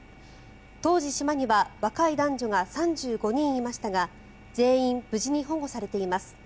当時、島には若い男女が３５人いましたが全員無事に保護されています。